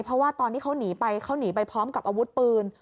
เพราะว่าตอนที่เขาหนีไปเขาหนีไปพร้อมกับอาวุธปืน